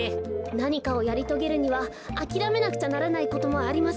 なにかをやりとげるにはあきらめなくちゃならないこともあります。